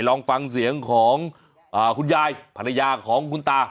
ลองฟังเสียงของคุณยายภรรยาของคุณตา